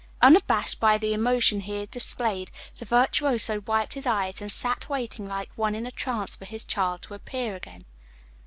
Unabashed by the emotion he had displayed, the virtuoso wiped his eyes, and sat waiting like one in a trance for his child to appear again.